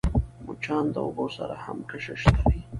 مچان د اوبو سره هم کشش لري